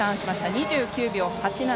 ２９秒８７。